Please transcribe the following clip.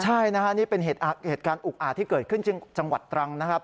ใช่นะฮะนี่เป็นเหตุการณ์อุกอาจที่เกิดขึ้นที่จังหวัดตรังนะครับ